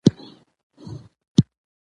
وار په وار را نږدې کېده، بېچاره خورا.